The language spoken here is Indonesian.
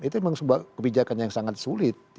itu memang sebuah kebijakan yang sangat sulit